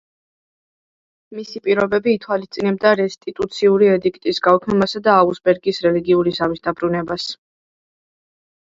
მისი პირობები ითვალისწინებდა რესტიტუციური ედიქტის გაუქმებასა და აუგსბურგის რელიგიური ზავის დაბრუნებას.